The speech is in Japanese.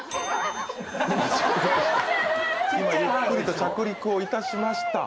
今ゆっくりと着陸をいたしました。